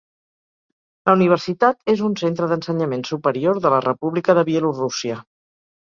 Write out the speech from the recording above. La universitat és un centre d'ensenyament superior de la República de Bielorússia.